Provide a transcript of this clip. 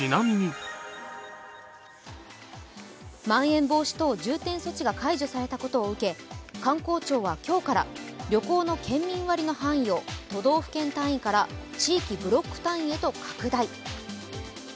まん延防止等重点措置が解除されたことを受け、観光庁は今日から旅行の県民割の範囲を都道府県単位から地域ブロック単位へと拡大。